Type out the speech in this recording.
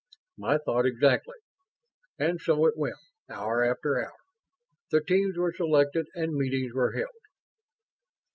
"My thought exactly." And so it went, hour after hour. The teams were selected and meetings were held.